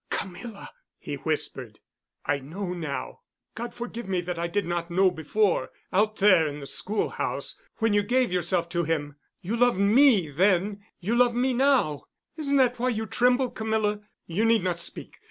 "Camilla!" he whispered. "I know now. God forgive me that I did not know before—out there in the schoolhouse, when you gave yourself to him. You loved me then—you love me now. Isn't that why you tremble, Camilla? You need not speak.